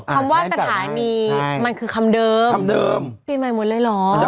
คำว่าสถานีมันคือคำเดิมคำเดิมปีใหม่หมดเลยเหรอ